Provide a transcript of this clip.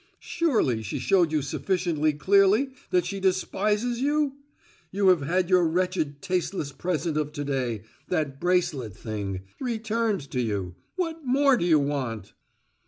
Surely she showed you sufficiently clearly that she despises you? You have had your wretched tasteless present of to day—that bracelet thing—returned to you; what more do you want?"